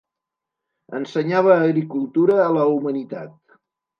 Ensenyava agricultura a la humanitat.